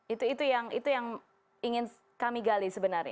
itu yang ingin kami gali sebenarnya